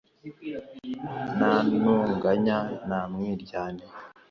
nta ntonganya, nta mwiryane.